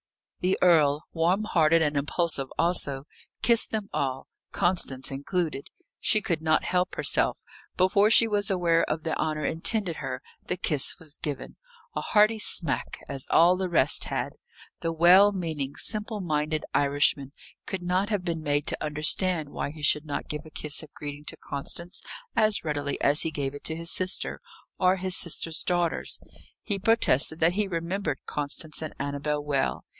The earl, warm hearted and impulsive also, kissed them all, Constance included. She could not help herself; before she was aware of the honour intended her, the kiss was given a hearty smack, as all the rest had. The well meaning, simple minded Irishman could not have been made to understand why he should not give a kiss of greeting to Constance as readily as he gave it to his sister, or his sister's daughters. He protested that he remembered Constance and Annabel well.